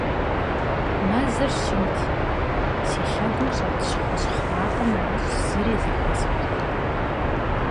Мэзыр щымт, си лъэгум щӏэт щхъыщхъ макъым нэмыщӏ зыри зэхэсхыртэкъым.